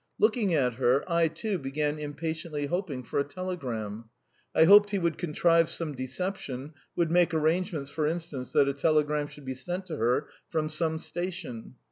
Looking at her, I, too, began impatiently hoping for a telegram. I hoped he would contrive some deception, would make arrangements, for instance, that a telegram should be sent to her from some station.